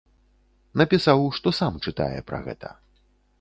Напісаў, што сам чытае пра гэта.